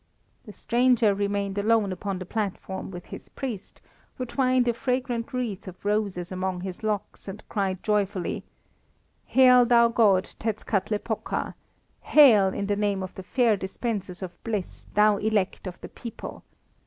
The stranger remained alone upon the platform with his priest, who twined a fragrant wreath of roses among his locks and cried joyfully "Hail thou god Tetzkatlepoka! hail in the name of the fair dispensers of bliss, thou elect of the people!